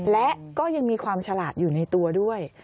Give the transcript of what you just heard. และก็ยังมีความฉลาดอยู่ในตัวด้วย